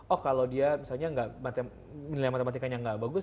oh kalau dia misalnya nilai matematikanya nggak bagus